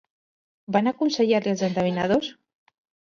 Què van aconsellar-li els endevinadors?